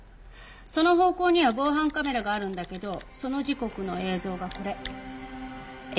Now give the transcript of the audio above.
その方向には防犯カメラがあるんだけどその時刻の映像がこれ。